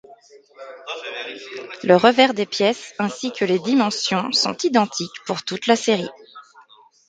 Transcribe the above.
Le revers des pièces, ainsi que les dimensions, sont identiques pour toute la série.